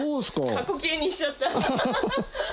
過去形にしちゃった。